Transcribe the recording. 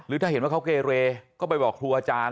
ถ้าเห็นว่าเขาเกเรก็ไปบอกครูอาจารย์